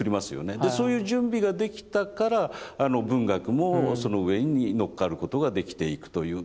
そういう準備ができたから文学もその上にのっかることができていくという。